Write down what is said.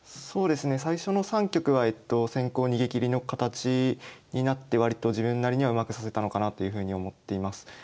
そうですね最初の３局は先行逃げきりの形になって割と自分なりにはうまく指せたのかなというふうに思っています。